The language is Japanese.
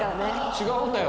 違うんだよ